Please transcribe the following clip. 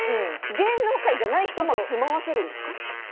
芸能界じゃない人も住まわせるんですか？